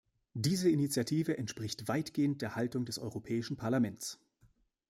Diese Initiative entspricht weitgehend der Haltung des Europäischen Parlaments.